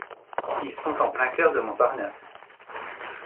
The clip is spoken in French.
Ils sont en plein cœur de Montparnasse.